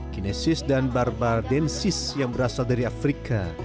kinesis dan barbarodensis yang berasal dari afrika